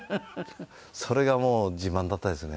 それがもう自慢だったですね。